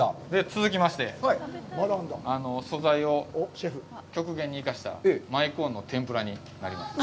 続きまして、素材を極限に生かした舞コーンの天ぷらになります。